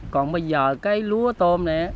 còn bây giờ cái lúa tôm này